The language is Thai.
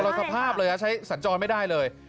เหมือนบุคภาพเลยใช้สัญจรไม่ได้เลย